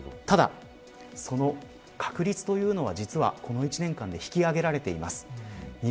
ただ、その確率というのは実はこの１年間で引き上げられています。